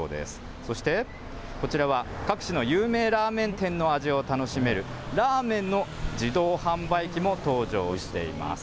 そしてこちらは各地の有名ラーメン店の味を楽しめる、ラーメンの自動販売機も登場しています。